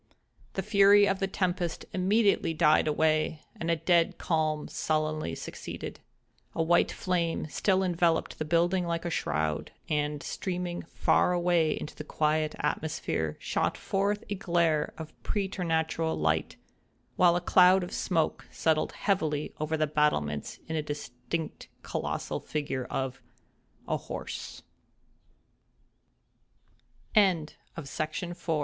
The fury of the tempest immediately died away, and a dead calm sullenly succeeded. A white flame still enveloped the building like a shroud, and, streaming far away into the quiet atmosphere, shot forth a glare of preternatural light; while a cloud of smoke settled heavily over the battlements in the distinct colossal figure of—a horse. THE SYSTEM OF D